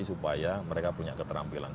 supaya mereka punya keterampilan